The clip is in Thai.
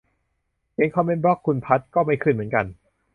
เขียนคอมเมนต์บล็อกคุณภัทร ก็ไม่ขึ้นเหมือนกัน